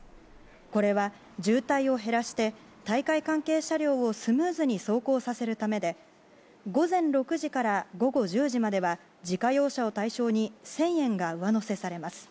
これは、渋滞を減らして大会関係車両をスムーズに走行させるためで午前６時から午後１０時までは自家用車を対象に１０００円が上乗せされます。